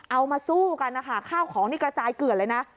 เอามาสู้กันนะคะข้าวของนี่กระจายเกลือดเลยนะ